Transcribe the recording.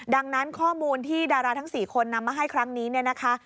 ดังนั้นข้อมูลที่ดาราทั้ง๔คนนำมาให้ครั้งนี้เนี่ยนะคะ